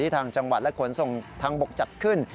ทางจังหวัดและขนส่งทางบกจัดขึ้น